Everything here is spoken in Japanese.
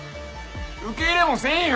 受け入れもせんよ！